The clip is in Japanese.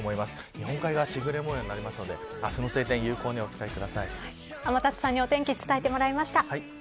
日本海側はしぐれ模様になるので明日の晴天を天達さんにお天気お伝えしてもらいました。